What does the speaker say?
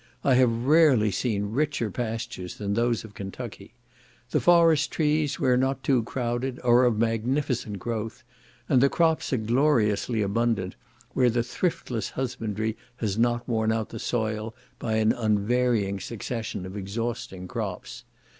I have rarely seen richer pastures than those of Kentucky. The forest trees, where not too crowded, are of magnificent growth, and the crops are gloriously abundant where the thriftless husbandry has not worn out the soil by an unvarying succession of exhausting crops.